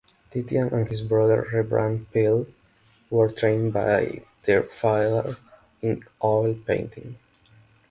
Titian and his brother Rembrandt Peale were trained by their father in oil painting.